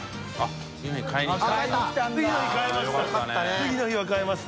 次の日買えました。